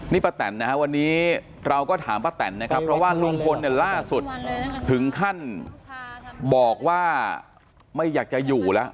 นี่ป้าแตนนะฮะวันนี้เราก็ถามป้าแตนนะครับเพราะว่าลุงพลเนี่ยล่าสุดถึงขั้นบอกว่าไม่อยากจะอยู่แล้ว